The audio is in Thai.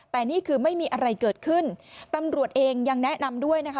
แต่นี่คือไม่มีอะไรเกิดขึ้นตำรวจเองยังแนะนำด้วยนะคะ